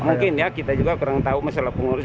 mungkin ya kita juga kurang tahu masalah pengurus